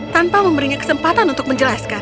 tanpa memberinya kesempatan untuk menjelaskan